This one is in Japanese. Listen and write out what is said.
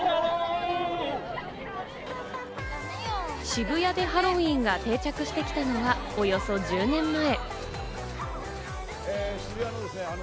渋谷でハロウィーンが定着してきたのはおよそ１０年前。